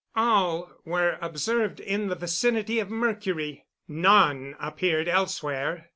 All were observed in the vicinity of Mercury; none appeared elsewhere.